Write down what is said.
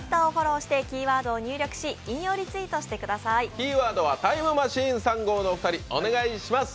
キーワードはタイムマシーン３号のお二人お願いします。